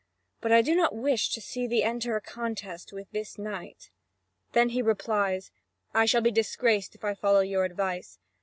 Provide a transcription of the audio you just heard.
But I do not wish to see thee enter a contest with this knight." Then he replies: "I shall be disgraced if I follow your advice.